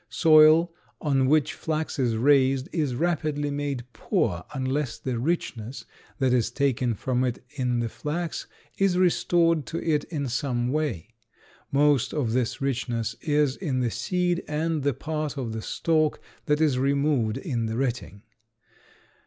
Soil on which flax is raised is rapidly made poor unless the richness that is taken from it in the flax is restored to it in some way. Most of this richness is in the seed and the part of the stalk that is removed in the retting.